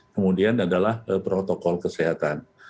kemudian adalah protokol kesehatan